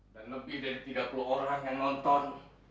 dan lebih dari tiga puluh orang yang nonton